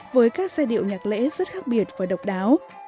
với các giai điệu nhạc lễ rất khác biệt và độc đáo